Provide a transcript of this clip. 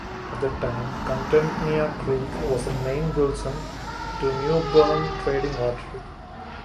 At the time, Contentnea Creek was a main Wilson to New Bern trading artery.